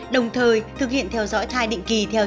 đồng thời thực hiện theo dõi thai định kỳ